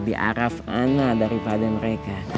jadi araf ana daripada mereka